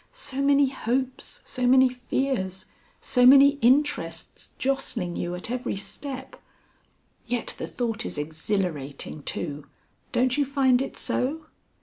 So many hopes, so many fears, so many interests jostling you at every step! Yet the thought is exhilarating too; don't you find it so?"